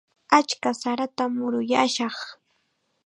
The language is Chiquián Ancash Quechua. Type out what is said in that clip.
Achka saratam muruyaashaq.